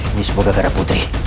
ini semoga gara putri